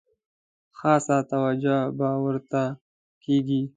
خاصه توجه به ورته کیږي.